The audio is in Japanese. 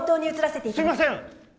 すみません！